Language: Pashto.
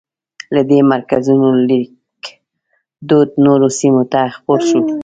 له دې مرکزونو لیکدود نورو سیمو ته خپور شو.